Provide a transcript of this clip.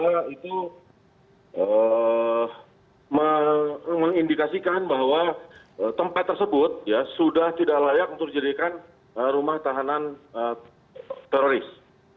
dan segala itu mengindikasikan bahwa tempat tersebut sudah tidak layak untuk dijadikan rumah tahanan teroris